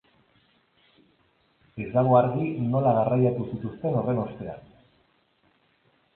Ez dago argi nola garraiatu zituzten horren ostean.